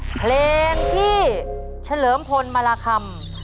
เพลงที่เฉลิมพลมาราคำ